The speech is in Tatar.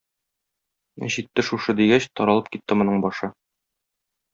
Җитте шушы дигәч, таралып китте моның башы.